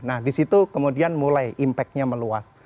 nah disitu kemudian mulai impactnya meluas